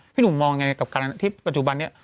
หนุ่มมองยังไงกับการที่ปัจจุบันนี้